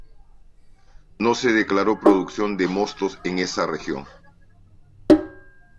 No se declaró producción de mostos en esta Región.